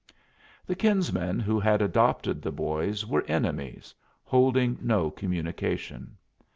The kinsmen who had adopted the boys were enemies, holding no communication.